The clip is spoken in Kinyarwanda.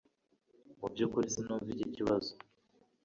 Mu byukuri sinumva iki kibazo.